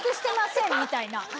みたいな。